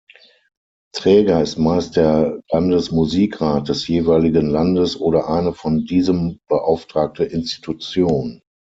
Träger ist meist der Landesmusikrat des jeweiligen Landes oder eine von diesem beauftragte Institution.